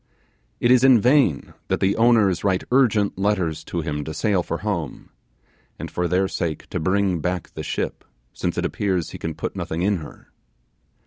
It is in vain that the owners write urgent letters to him to sail for home, and for their sake to bring back the ship, since it appears he can put nothing in her.